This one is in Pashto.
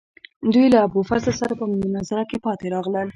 دوی له ابوالفضل سره په مناظره کې پاتې راغلل.